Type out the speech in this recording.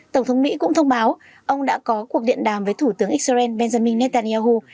tổng thống mỹ cũng thông báo ông đã có cuộc điện đàm với thủ tướng israel benjamin netanyahu